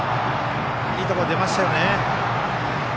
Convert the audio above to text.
いいところに出ましたよね。